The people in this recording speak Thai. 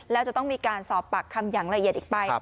แล้วจะต้องมีการสอบปากคำอย่างละเอียดอีกไป